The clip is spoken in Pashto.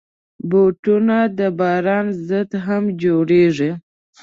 بوټونه د باران ضد هم جوړېږي.